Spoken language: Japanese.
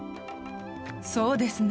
そうですね。